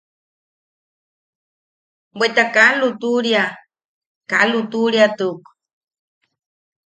Bweta kaa lutuʼuria, kaa lutuʼuriatuk.